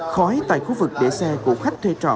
khói tại khu vực để xe của khách thuê trọ